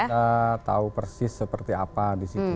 kita tahu persis seperti apa di situ